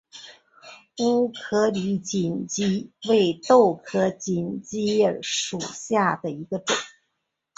乌苏里锦鸡儿为豆科锦鸡儿属下的一个种。